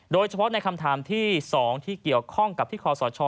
โดยเฉพาะในคำถามที่๒ที่เกี่ยวข้องกับที่คอสช